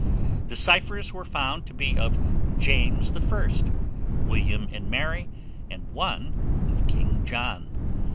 The ciphers were found to be of James I., William and Mary, and one of King John.